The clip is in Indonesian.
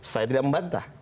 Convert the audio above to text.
saya tidak membantah